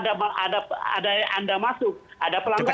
ada anda masuk ada pelanggaran